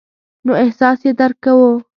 نو احساس یې درک کوو.